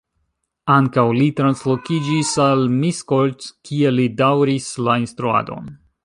Ankaŭ li translokiĝis al Miskolc, kie li daŭris la instruadon.